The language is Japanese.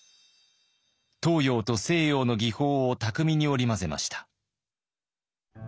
東洋と西洋の技法を巧みに織り交ぜました。